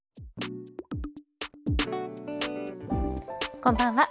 こんばんは。